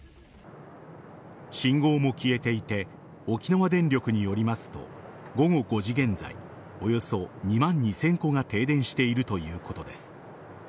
信号も消えていて沖縄電力によりますと午後５時現在およそ２万２０００戸が停電しているということです。